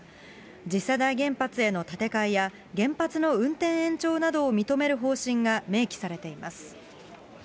次世代原発への建て替えや、原発の運転延長などを認める方針が明記されています。